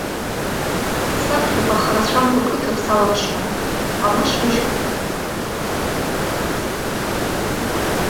Саԥхьаҟа харацәамкәа қыҭак салаԥшуан, алашбыжьқәеи арбаӷьбыжьқәеи еилыкка исаҳауан.